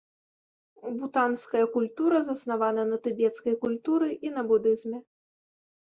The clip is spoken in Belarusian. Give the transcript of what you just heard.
Бутанская культура заснавана на тыбецкай культуры і на будызме.